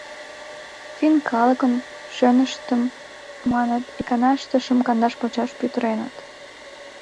— Финн калыкын шӧныштым, маныт, иканаште шым-кандаш пачаш пӱтыреныт.